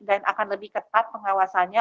akan lebih ketat pengawasannya